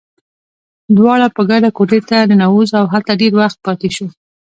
دواړه په ګډه کوټې ته ننوزو، او هلته ډېر وخت پاتې شو.